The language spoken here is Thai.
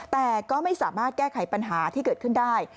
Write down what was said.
แต่ก็ไม่สามารถแก้ไขปัญหาที่เกิดขึ้นได้